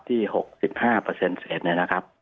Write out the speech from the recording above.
ที่๖๕เปอร์เซ็นต์เสร็จเนี่ยนะครับ